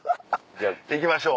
行きましょう。